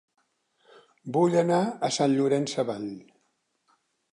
Vull anar a Sant Llorenç Savall